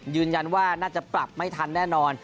ยืนยันว่าน่าจะปรับไม่ทันแน่นอน